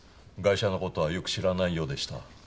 ガイ者のことはよく知らないようでした。